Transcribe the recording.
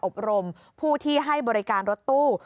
อบรมผู้ที่ให้บริการรถตู้